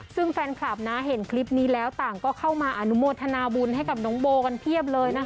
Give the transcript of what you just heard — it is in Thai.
ซึ่งแฟนคลับนะเห็นคลิปนี้แล้วต่างก็เข้ามาอนุโมทนาบุญให้กับน้องโบกันเพียบเลยนะคะ